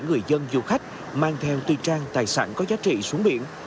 người dân du khách mang theo tùy trang tài sản có giá trị xuống biển